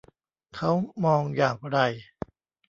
เขามองอย่างไร